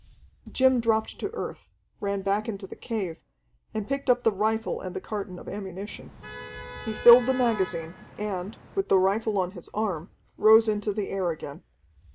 Jim dropped to earth, ran back into the cave, and picked up the rifle and the carton of ammunition. He filled the magazine, and, with the rifle on his arm, rose into the air again.